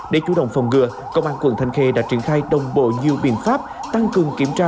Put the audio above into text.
để chủ động phòng ngừa công an quận thanh khê đã triển khai đồng bộ nhiều biện pháp tăng cường kiểm tra